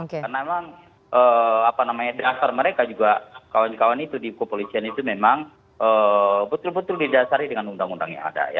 karena memang apa namanya dasar mereka juga kawan kawan itu di kepolisian itu memang betul betul didasari dengan undang undang yang ada ya